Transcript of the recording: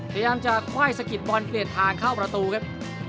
พยายามจะไขว้สะกิดบอลเปลี่ยนทางเข้าประตูครับ